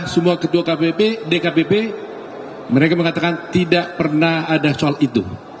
semua ketua kpp dkpp mereka mengatakan tidak pernah ada soal itu